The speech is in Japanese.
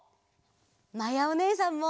まやおねえさんも。